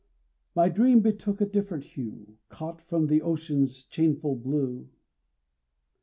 My dream betook a different hue, Caught from the ocean's changeful blue.